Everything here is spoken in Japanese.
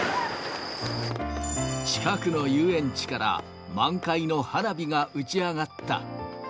近くの遊園地から満開の花火が打ち上がった。